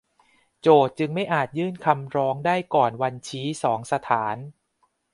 โจทก์จึงไม่อาจยื่นคำร้องได้ก่อนวันชี้สองสถาน